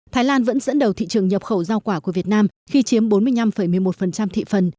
thái lan vẫn dẫn đầu thị trường nhập khẩu giao quả của việt nam khi chiếm bốn mươi năm một mươi một thị phần